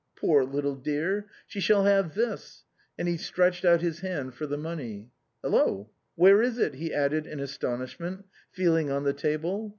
Poor little dear, she shall have this," and he stretched out his hand for the money — "hallo ! where is it ?" he added in astonishment, feeling on the table.